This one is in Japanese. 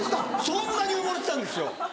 そんなに埋もれてたんですよ。